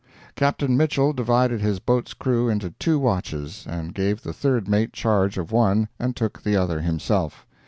Captain Mitchell divided his boat's crew into two watches and gave the third mate charge of one and took the other himself.